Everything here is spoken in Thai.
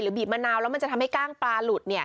บีบมะนาวแล้วมันจะทำให้กล้างปลาหลุด